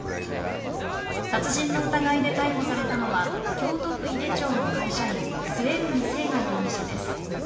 殺人の疑いで逮捕されたのは京都府井手町の会社員、末海征河容疑者です。